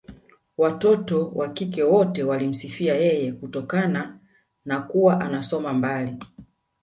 Watoto wa kike wote walimsifia yeye kutokana na kuwa anasoma mbali